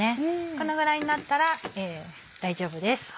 このぐらいになったら大丈夫です。